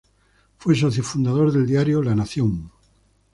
Fue socio fundador del Diario La Nación.